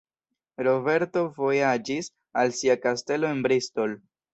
Roberto vojaĝis al sia kastelo en Bristol.